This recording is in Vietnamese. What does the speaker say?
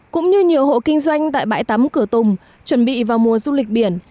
cũng như nhiều hộ kinh doanh tại bãi tắm cửa tùng chuẩn bị vào mùa du lịch biển